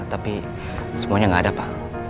tapi semuanya nggak ada pak